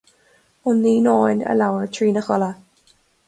An naíonán a labhair trína chodladh